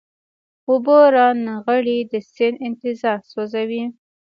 اوبه را نغلې د سیند انتظار سوزی